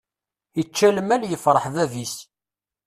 Ičča lmal yefṛeḥ bab-is.